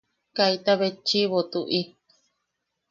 Kaita betchiʼibo tuʼi.